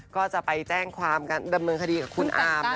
ก็จะไปแจ้งความการดำเนินคดีกับคุณอาร์มนะคะ